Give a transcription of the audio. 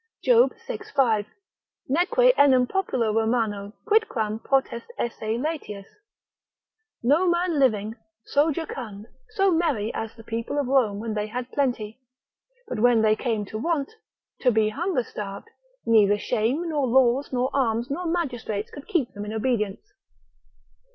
Job vi. 5. Neque enim populo Romano quidquam potest esse laetius, no man living so jocund, so merry as the people of Rome when they had plenty; but when they came to want, to be hunger starved, neither shame, nor laws, nor arms, nor magistrates could keep them in obedience.